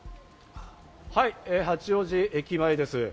はい、八王子駅前です。